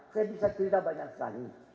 saya bisa cerita banyak sekali